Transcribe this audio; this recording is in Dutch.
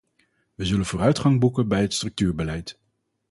We zullen vooruitgang boeken bij het structuurbeleid.